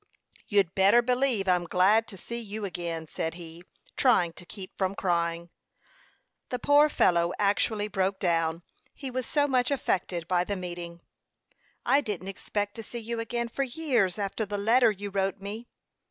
"You'd better believe I'm glad to see you again," said he, trying to keep from crying. The poor fellow actually broke down, he was so much affected by the meeting. "I didn't expect to see you again for years, after the letter you wrote me."